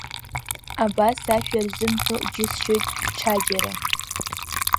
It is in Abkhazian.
Абас ашәа рзымҳо џьысшьоит ҽаџьара.